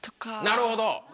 なるほど！